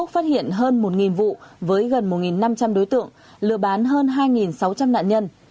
phát hiện hơn một vụ với gần một năm trăm linh đối tượng lừa bán hơn hai sáu trăm linh nạn nhân